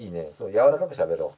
やわらかくしゃべろう。